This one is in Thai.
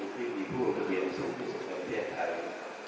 หรือมีผู้ประเบียนสูงที่สมบันเทศไทย